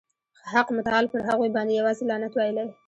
حق متعال پر هغوی باندي یوازي لعنت ویلی.